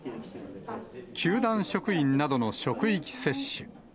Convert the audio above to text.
球団職員などの職域接種。